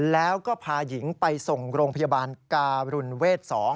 แล้วก็พาหญิงไปส่งโรงพยาบาลการุณเวท๒